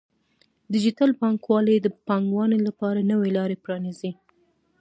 ډیجیټل بانکوالي د پانګونې لپاره نوې لارې پرانیزي.